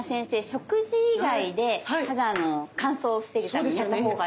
食事以外で肌の乾燥を防ぐためにやったほうがいい。